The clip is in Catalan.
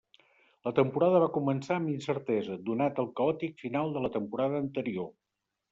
La temporada va començar amb incertesa, donat el caòtic final de la temporada anterior.